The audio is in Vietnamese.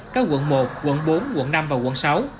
các quận một quận bốn quận năm và quận sáu